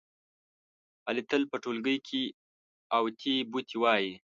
علي تل په ټولگي کې اوتې بوتې وایي.